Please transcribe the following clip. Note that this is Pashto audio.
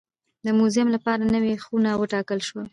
د موزیم لپاره نوې خونه وټاکل شوه.